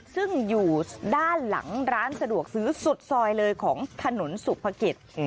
ซึ่งอยู่ด้านหลังร้านสะดวกซื้อสุดซอยเลยของถนนสุภกิจ